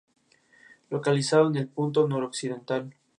Sus padres fueron Franklin Anaya Arze y Amanda Vázquez Ochoa.